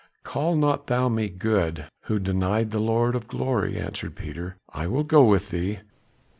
"Call not thou me good, who denied the Lord of Glory," answered Peter. "I will go with thee."